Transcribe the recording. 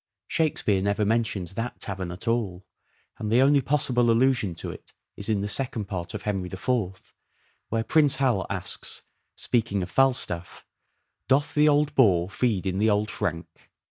Shakespeare never mentions that tavern at all, and the only possible allusion to it is in the Second Part of Henry the Fourth, where Prince Hal asks, speaking of Falstaff, ' doth the old boar feed in the old frank